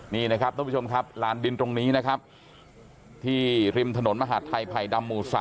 นี่นะครับท่านผู้ชมครับลานดินตรงนี้นะครับที่ริมถนนมหาดไทยภัยดำหมู่๓